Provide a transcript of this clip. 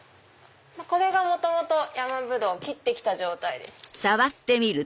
これが元々ヤマブドウを切って来た状態です。